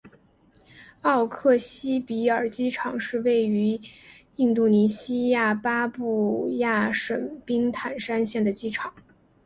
奥克西比尔机场是位于印度尼西亚巴布亚省宾坦山县的机场。